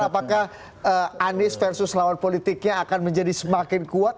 apakah anies versus lawan politiknya akan menjadi semakin kuat